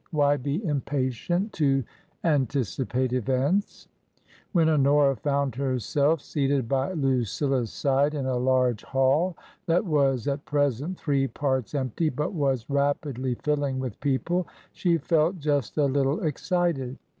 Why be impatient to anticipate events ?" When Honora found herself seated by LuciUa's side in a large hall that was at present three parts empty but was rapidly filling with people, she felt just a little ex cited.